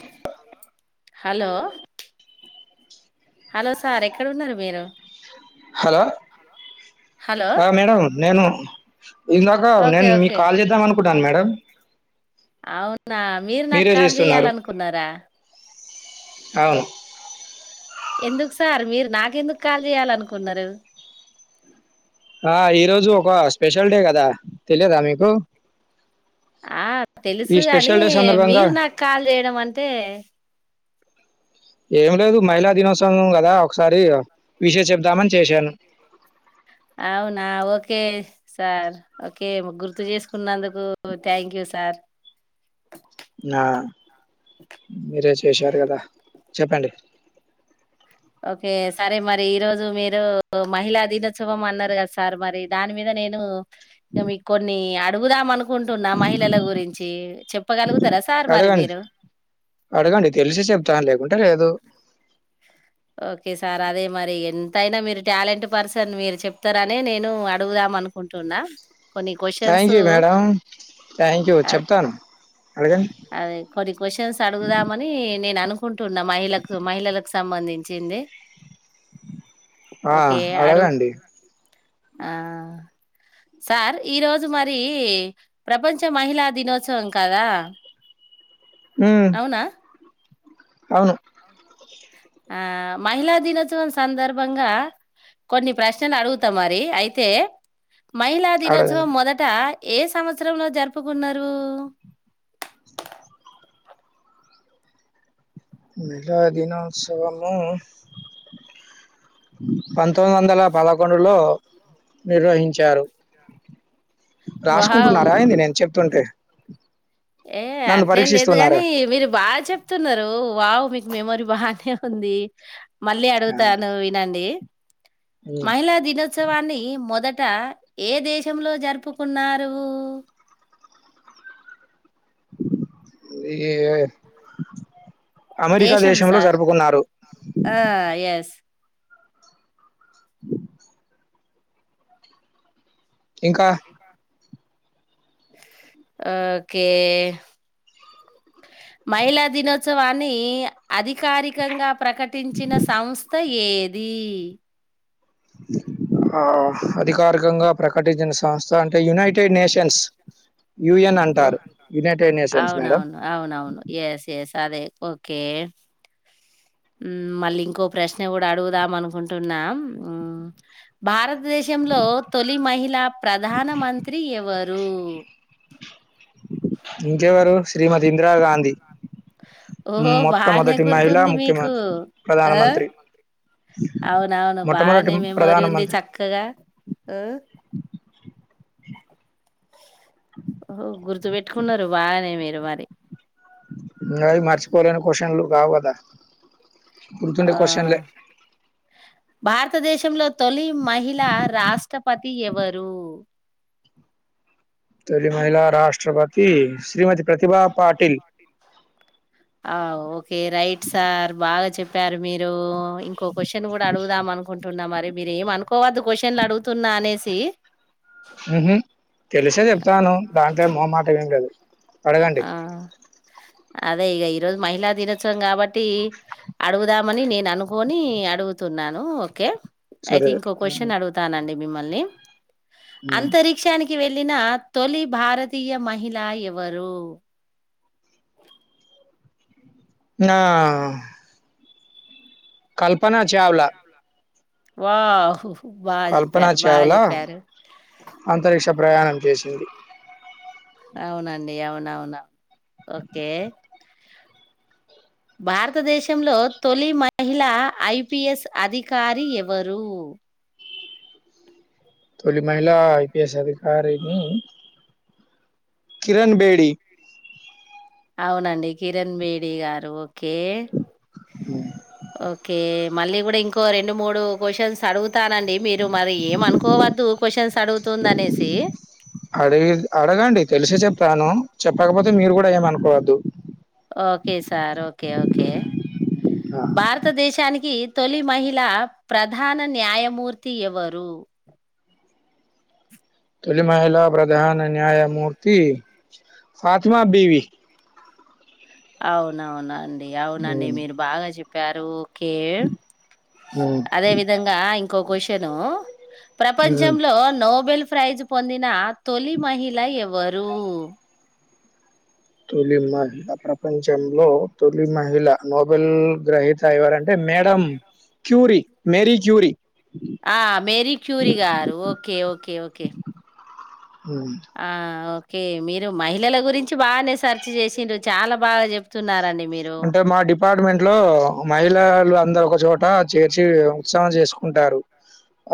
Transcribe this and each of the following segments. Hello hello hello sir ఎక్కడ ఉన్నారు మీరు హలో హలో ఆ! మేడం నేను ఇందాక ఓకే నేను మీ ఓకే కాల్ చేద్దాం అనుకున్నాన మేడం అవున నా మీరు నాకు మీరే కాల్ చేస్తున్నారు. చేయ్యాలనుకున్నారా అవును. ఎందుకు సార్ మీరు నాకెందుకు కాల్ చేయాలనుకున్నారు ఆ ఈ రోజు ఒక స్పెషల్ డే కదా తెలియదా మీకు ఆ ఈ తెలుసు కాని స్పెషల్ డే సందర్భంగా మీరు నాకు కాల్ చేయడం అంటే ఏం లేదు మహిళా దినోత్సవం కదా ఒకసారి విషెస్ సేసుచెప్దామని అవునా ఓకే సార్ ఓకే గుర్తు చేసుకున్నందుకు థ్యాంక్ యూ సార్ నా మిరే చె చేసారు కదా చెప్పండి ఓకే సరే మరి ఈ రోజు మీరు మహిళా దినోత్సవం అన్నారు కదా సార్ మరి దాని మీద నేను మీకు కొన్ని ఆ అడుగు దామనుకు కుంటున్నా మహిళల గురించి చెప్పగలుగుతారా సార్ మరి అడగండి. మీరు అడగండి తెలిసి చెప్తాను లేకుంటే లేదు. ఓకే సార్ అదే మరి ఎంతైనా మీరు టాలెంట్ పర్సన్ మీరు చెప్తారనే నేను అడుగుదాం అనుకుంటున్నా కొన్ని questions thank you madam thank you ఆహ్, చెప్తాను అడగండి. అదే కొన్ని క్వశ్చన్స్ అడుగుదామని నేను అను కుంటున్నా మహిళకు మహిళలకు సంబంధించింది ఆ ఓకే. అడుగు అడగండి ఆ సార్ ఈరోజు మరి ప్రపంచ మహిళా దినోత్సవం కదా. హ్మ్. అవునా అవును [unintelligible] ఆ మహిళా దినోత్సవం సందర్భంగా కొన్ని ప్రశ్నలు అడుగుతాం మరి అయితే మహిళా దినోత్సవం అడగండి. మొదట ఏ సంవత్సరంలో జరుపుకున్నారు. మహిళ దినోత్సవము పాతొమి పంతొమ్మిది వందల పదకొండులో నిర్వహించారు. రాసుకుంటున్నారా వావ్! అయింది నేం చెప్తుంటే ఏ నన్ను అట్లేం లేదు పరీక్షిస్తున్నారా? గాని మీరు బాగా చెప్తున్నారు ఒ వావు మెమోరీ బాగానే ఉంది. మళ్ళీ ఆ! అడుగుతాను వినండి. హ్మ్. మహిళ దిన ఉత్సవాన్ని మొదట ఏ దేశంలో జరుపుకున్నారు. ఏ దేశం సార్ ఆ ఎస్ [unintelligible] ఇంకా ఆ ఓకే మహిళా దినోత్సవాన్ని అధికారికంగా ప్రకటించిన సంస్థ ఏది ఆ అధికారికంగా ప్రకటించిన సంస్థ అంటే యునైటెడ్ నేషన్స్. యుఎన్ ఓహ అంటారు. United nations madam. అవునవును అవునవును ఎస్ ఎస్ అదే ఓకే మళ్ళీ ఇంకో ప్రశ్న కూడా అడుగుదాం అనుకుంటున్నా. భారత్ భారతదేశంలో తొలి మహిళ ప్రధాన మంత్రి స్త్రీ ఎవరు ఇంకెవరు శ్రీమతి ఇందిరాగాంధీ ఓహో బానే మొట్టమొదటి మహిళా గుర్తుంది. మీకు ముఖ్యమంత్రి ఆ ప్రధానమంత్రి. అవునవును మొట్టమొదటి బానే మెమోరీ ఉంది ప్రధానమంత్రి. చక్కగా ఉ ఒ గుర్తు పెట్టుకున్నారు బాగానే మీరు మరి గవి మర్చిపోలేని కొషన్లు కావు కదా గుర్తుండే ఆ! కోశన్లే భారతదేశంలో తొలి మహిళా రాష్ట్రపతి ఎవరు తొలి మహిళ రాష్ట్రపతి శ్రీమతి ప్రతిభా పాటిల్ ఆ ఓకే రైట్ సార్ బాగా చెప్పారు మీరు ఇంకో క్వశ్చన్ కూడా అడుగుదాం అనుకుంటున్నా మరి మీరేం అనుకోవద్దు కొషన్లు అడుగుతున్నా అనేసి హు హుమ్ తెలిసే చెప్తను దాంట్లో మోహమాటం ఏమి లేదు అడగండి ఆ! అదే ఇగ ఈ రోజు మహిళా దినోత్సవం కాబట్టి అడుగుదాం మని నేను అనుకొని అడుగు తున్నాను ఓకే సరే ఐతే ఇంకో క్వశ్చన్ అడుగుతానండి మిమ్మల్ని అంతరిక్షానికి వె వెళ్ళిన తొలి భారతీయ మహిళా ఎవరు నా కల్పన చావ్లా వావ్ బా కల్పనా జెప్పారు. బా చావ్లా జెప్పారు. అంతరిక్ష ప్రయాణం చేసింది అవునండి అవునఅవును ఓకే భారతదేశంలో తొలి మహిళా ఐపీఎస్ అధికారి ఎవరు తొలి మహిళా ఐపీస్ అధికారిని కిరణ్ బేడి అవునండి కిరణ్ బేడి గారు ఓకే హుమ్ ఓకే మళ్ళీ కూడా ఇంకో రెండు మూడు క్వశ్చన్స్ అడుగుత తానండి మీరు మరి ఏమ అనుకోవద్దు క్యూషన్స్ అడుగుతుంది అనేసి తాను చెప్పకపోతే మీరు గుడా ఏమి అనుకోవద్దు okay sir okay okay okay ఆ, భారతదేశానికి తొలి మహిళ ప్రధాన న్యాయమూర్తి ఎవరు తొలి మహిళ ప్రధాన న్యాయమూర్తి ఫాతిమా బీవి అవునవును ఈ అవునండి ఉమ్, మీరు బాగా చెప్ ప్యారు ఒకే ఉమ్, అదే విధంగా ఇంకో క్వశ్చను ఉమ్. ప్రపంచంలో నోబెల్ ప్రైజ్ పొందిన తొలి మహిళ ఎవరు? తొలి మహిళ ప్రప్ ప్రపంచంలో తొలి మహిళ నోబెల్ గ్రహీత ఎవరంటే మేడం క్యూరి మేరీ క్యూరి ఆ మేరీ క్యూరి గారు ఓకే ఓకే ఓకే ఉమ్. ఆ ఓక్ కే మీరు మహిళల గురించి బానే సర్చ్ చేసిండ్రు చాలా బాగా చెప్తున్నారండి మీరు అంటే మా డిపార్ట్మెంట్ లో మహిళ పిల్లలు అందరు ఒక చోట చేర్చి ఉత్సాహం చేసుకుంటారు.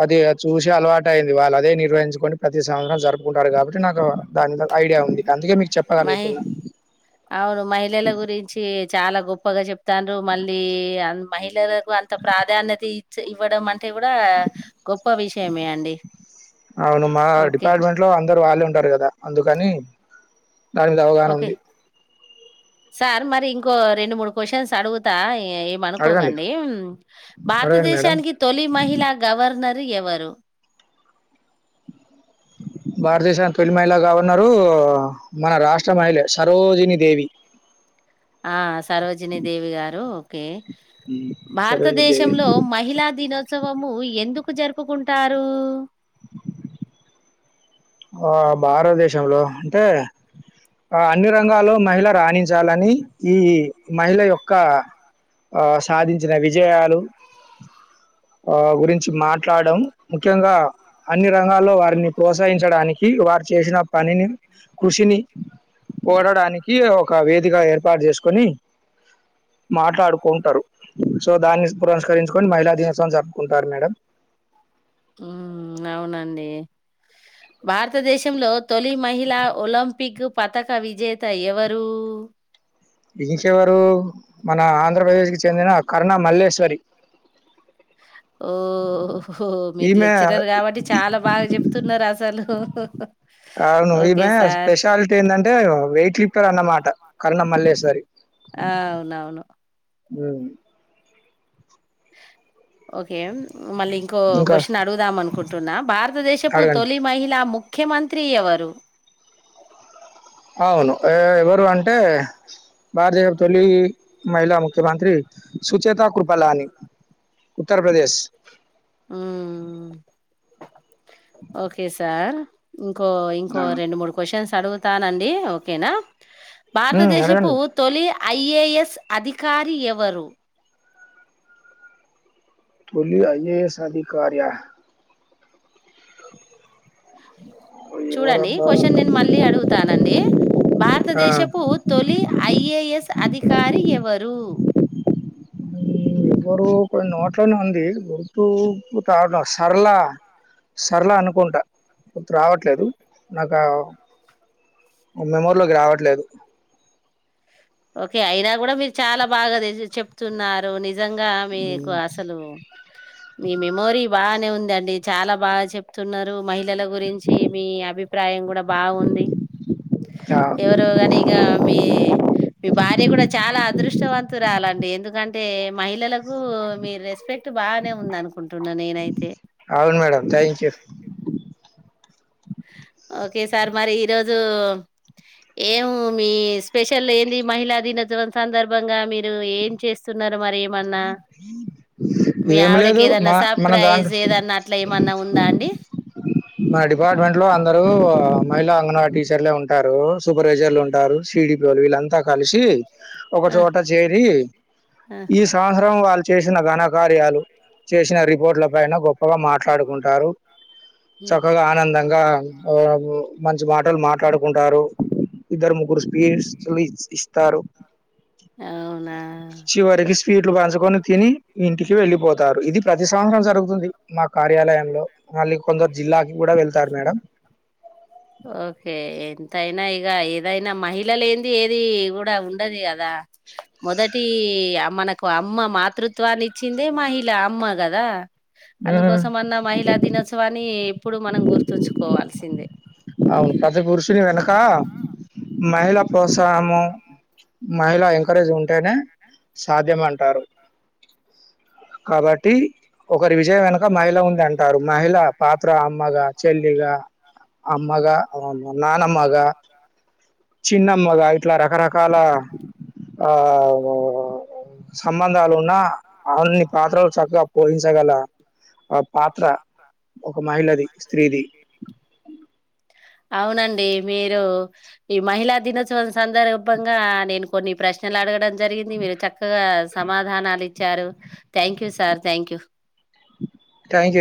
అది చూసి అలవాట అయింది వాళ్ళు అదే నిర్వహించుకుని ప్రతి సంవత్సరం జరుపుకుంటారు కాబట్టి నాకు దాని మీద ఐడియా ఉంది. అందుకే మీకు మహి చెప్పగలుగుతున్నా అవును మహిళల గురించి చాలా గొప్పగా చెప్ తండ్రు మళ్ళీ అ మహిళలకు అంత ప్రాధాన్యత ఇచ్ ఇవ్వడం అంటె టె కూడా గొప్ప విషయమే అండి అవును మా ఓకే డిపార్ట్మెంట్ లో అందరు వాళ్ళే ఉంటారు కదా అందుకని దాని మీద అవగాహన ఓకే ఉంది సార్ మరి ఇంకో రెండు మూడు క్వశ్చన్స్ అడుగుతా ఏమ్ అడగండి ఎమ్అనుకోకండి అడగండి మేడం భారతదేశానికి తొలి మహిళ గవర్నర్ ఎవరు భారతదేశ తొలి మహిళగా ఉన్నారు మన రాష్ట్ర మహిళ సరోజిని దేవి ఆ సరోజిని దేవి గారు ఓకే సరోజిని దేవి భారతదేశంలో మహిళా దినోత్సవము ఎందుకు జరుపుకుంటారు ఆ భారతదేశంలో అంటే ఆ అన్ని రంగాల్లో మహిళ రాణించాలని ఈ మహిళ యొక్క ఆ సాధించిన విజయాలు ఆ గురించి మాట్లాడడం ముఖ్యంగా అన్ని రంగాల్లో వారిని ప్రోత్సహించడానికి కి వారు చేసిన పనిని కృషిని ఓడడానికి కి ఒక వేదిక ఏర్పాటు చేసుకొని మాట్లాడుకుంటరు సో దాన్ని పురస్కరించుకొని మహిళా దినో హ్మ్ అవునండి భారతదేశంలో తొలి మహిళా ఒలింపిక్ పతక విజేత ఎవరు ఇంకెవరు మన ఆంధ్రప్రదేశ్కి చెందిన కరుణ మల్లేశ్వరి ఓహో మీరు ఈమె లెక్చ్చరర్ కాబట్టి చాలా బాగా చెప్తున్నారు అసలు అవును ఓకే ఈమె సార్ స్పెషాలిటీ ఏంటంటే వెయిట్ లిఫ్టర్ అన్నమాట కరుణ మల్లేశ్వరి అవునవును హ్మ్ ఓకే మళ్ళీ ఇంకో ఇంకా క్వశ్చన్ అడుగుదాం అనుకుంటున్నా భారతదేశపు అడగండి తొలి మహిళా ము ముఖ్యమంత్రి ఎవరు అవును ఏ ఎవరు అంటే భారతీయ తొలి మహిళా ముఖ్యమంత్రి సు చ్యతకృఫలాని ఉత్తరప్రదేశ్ ఉమ్ ఓకే సార్ ఇంకో ఇంకో ఆ, రెండు మూడు క్వశ్చన్స్ అడుగ్ తానండి ఓకేనా ఉమ్, భారతదేశపు అడగండి తొలి ఐఏఎస్ అధికారి ఎవరు తొలి ఐఏఎస్ అధికారి అహ్ చూడండి ఎవరబ్బా క్వశ్చన్ నేను మళ్ళీ అడుగుతానండి ఆ, భారతదేశపు తొలి ఐఏఎస్ అధికారి ఎవ రు ఉమ్, ఎవరు కొన్ని నోట్లోనే ఉంది గుర్తుకు రావడం సరలా సరళ అనుకుంటా గుర్తు రావట్లేదు నాకు మెమోర్లోకి రావట్లేదు ఓకే అయినా కూడా మీరు చాలా బాగా చెప్తున్నారు నిజ జంగా మీకు మ్, అసలు మీ మెమోరీ బానే ఉందండి చాలా బాగా చెప్తున్నారు మహిళల గురించి మీ అభిప్రాయం కూడా బాగుంది ఆ, ఎవరో కాని ఇగ మీ మీ భార్య కూడా చాలా అదృష్టవంతురా రాలండి ఎందుకంటే మహిళలకు మీ రెస్పెక్ట్ బాగానే ఉంది అనుకుంటున్నా నేనైతే అవును madam thank you okay sir మరి ఈరోజు ఏం మీ స్పెషల్ ఏంది మహిళా దినోత్సవం సందర్భంగా మీరు ఏం చేస్తున్నారు మరి ఏమన్నా మీ ఏమి లేదు ఆవిడకి ఏదన్నా మా మన సర్ప్రైజ్ దాంట్లో ఏదన్నా అట్లా ఏమన్నా ఉందా అండి మా డిపార్ట్మెంట్ లో అందరు మహిళా అంగనవాడి టీచర్లే ఉంటారు సూపర్వైజర్లు ఉంటారు సిడిపిలు వీళ్ళంతా కలిసి ఒక ఆ, చోట చేరి ఆ. ఈ సంవత్సరం వాళ్ చేసిన ఘనకార్యాలు చేసిన రిపోర్ట్ల పైన గొప్పగా మాట్లాడుకుంటారు హ్మ్. చక్కగా ఆనందంగా ఆ మంచి మాటలు మాట్లాడుకుంటారు ఇద్దరు ముగ్గురు స్పీచ్లు ఇ ఇస్తారు అవునా చివరికి స్వీట్లు పంచుకొని తిని ఇంటికి వెళ్ళిపోతారు ఇది ప్రతి సంవత్సరం జరుగుతుంది మా కార్యాలయంలో మల్లి కొందరు జిల్లాకి కూడా వెళ్తారు మేడం ఓకే ఎంతయినా ఇగ ఏదైనా మహిళలేనిది ఏంది ఏది కూడా ఉండది ఇగా దా మొదట్ ఒకటి ఆ మనకు అమ్మ మాతృత్వాన్ని ఇచ్చిందే మహిళ అమ్మ గదా హ్మ్. అందుకోసమన్న మహిళా దినోత్సవాన్ని ఇప్పుడు మనం గుర్తుంచుకోవాల్సిందే అవును ప్రతి పురుషుని వెనక మహిళ ప్రోత్సాహము మహిళ ఎంకరేజ్ ఉంటేనే సాధ్యం అంటారు కాబట్టి ఒకరి విజయం వెనుక మహిళ ఉంది అంటారు మహిళ పాత్ర అమ్మగా చెల్లిగా అమ్మగా నాన్ అమ్మగా చిన్నమ్మగా ఇట్లా రకరకాల ఆ సంబంధాలు ఉన్నా అన్ని పాత్రలు చక్కగా పోషించగల ఆ పాత్ర ఒక మహిళది స్త్రీది అవునండి మీరు ఈ మహిళా దినోత్సవం సందర్భంగా నేను కొన్ని ప్రశ్నలు అడగడం జరిగింది మీరు చక్కగా సమాధానాలు ఇచ్చారు thank you sir thank you thank you